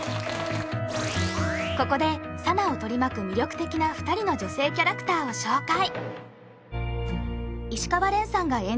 ここで佐奈を取り巻く魅力的な２人の女性キャラクターを紹介